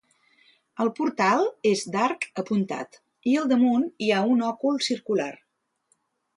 El portal és d'arc apuntat i al damunt hi ha un òcul circular.